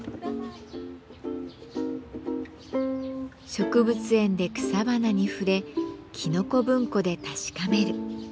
植物園で草花に触れきのこ文庫で確かめる。